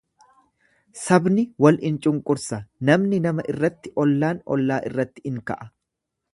Sabni wal in cunqursa, namni nama irratti ollaan ollaa irratti in ka'a.